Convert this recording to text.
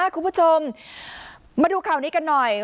คุณผู้ชมมาดูข่าวนี้กันหน่อย